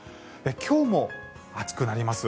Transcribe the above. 今日も暑くなります。